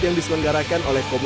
yang disumupkan gitu